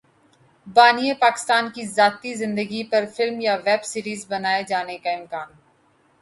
بانی پاکستان کی ذاتی زندگی پر فلم یا ویب سیریز بنائے جانے کا امکان